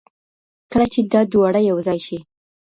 کله چې دا دواړه یوځای شي.